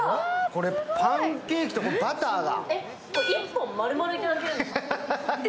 これパンケーキとバターだ。